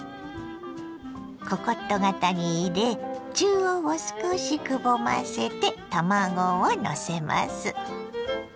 ココット型に入れ中央を少しくぼませて卵をのせます。